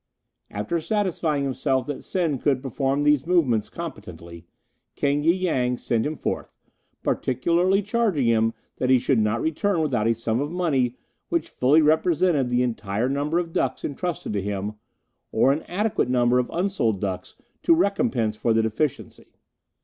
After satisfying himself that Sen could perform these movements competently, King y Yang sent him forth, particularly charging him that he should not return without a sum of money which fully represented the entire number of ducks entrusted to him, or an adequate number of unsold ducks to compensate for the deficiency.